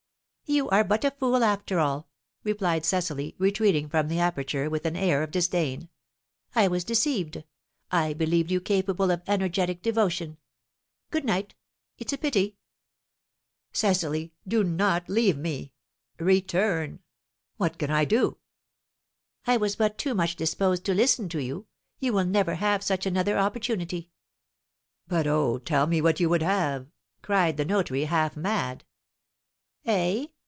"You are but a fool, after all!" replied Cecily, retreating from the aperture with an air of disdain. "I was deceived, I believed you capable of energetic devotion. Goodnight! It's a pity!" "Cecily, do not leave me! Return! What can I do?" "I was but too much disposed to listen to you; you will never have such another opportunity." "But oh, tell me what you would have!" cried the notary, half mad. "Eh!